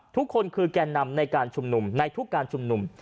ทุกคนคือแก่นำในการชุมนุมในทุกการชุมนุม